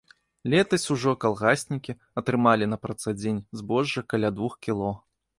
Летась ужо калгаснікі атрымалі на працадзень збожжа каля двух кіло.